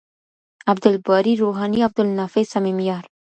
عبدالباري روحاني عبدالنافع صميميار